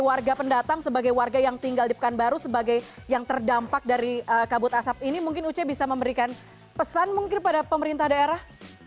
warga pendatang sebagai warga yang tinggal di pekanbaru sebagai yang terdampak dari kabut asap ini mungkin uce bisa memberikan pesan mungkin pada pemerintah daerah